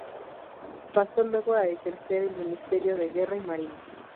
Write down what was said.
Pasó luego a ejercer el Ministerio de Guerra y Marina.